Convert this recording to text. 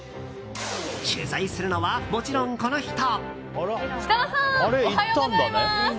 取材するのは、もちろんこの人。